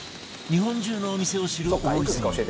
日本中のお店を知る大泉